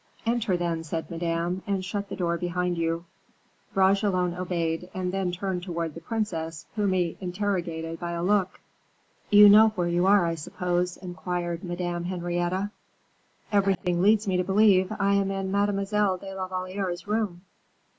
"Enter, then," said Madame, "and shut the door behind you." Bragelonne obeyed, and then turned towards the princess, whom he interrogated by a look. "You know where you are, I suppose?" inquired Madame Henrietta. "Everything leads me to believe I am in Mademoiselle de la Valliere's room."